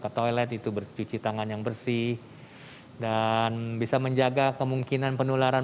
ke toilet itu bercuci tangan yang bersih dan bisa menjaga kemungkinan penularan